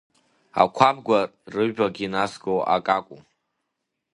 Ақәабқәа рыҩбагьы назгоу акакәу?